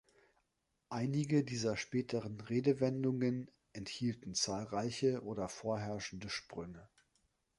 Einige dieser späteren Redewendungen enthielten zahlreiche oder vorherrschende Sprünge.